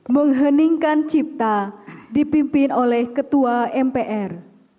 mengheningkan cipta dipimpin oleh ketua mpr